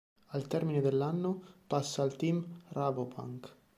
Al termine dell'anno passa al team Rabobank.